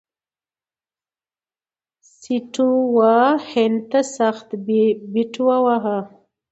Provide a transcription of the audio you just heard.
سټیو وا هند ته سخت بیټ وواهه.